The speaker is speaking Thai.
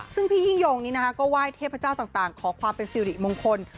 ซึ่งพี่ยิ่งยงนี้นะคะก็ไหว้เทพเจ้าต่างขอความเป็นสิริมงคล